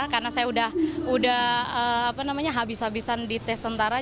karena saya sudah habis habisan di tes tentara